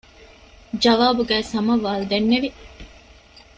ޖަވާބުގައި ސަމަވްއަލް ދެންނެވި